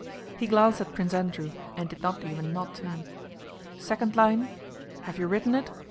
He glanced at Prince Andrew and did not even nod to him. "Second line... have you written it?"